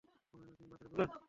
অভিনন্দন, সিং ব্রাদার্স।